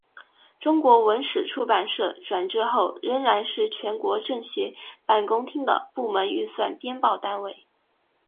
中国文史出版社转制后仍然是全国政协办公厅的部门预算编报单位。